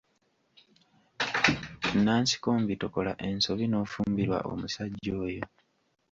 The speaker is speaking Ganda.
Nansikombi, tokola ensobi n'ofumbirwa omusajja oyo.